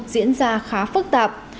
diễn ra khá phức tạp